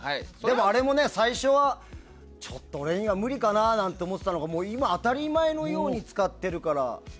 あれも最初はちょっと俺には無理かなと思ってたのが、今当たり前のように使ってるから。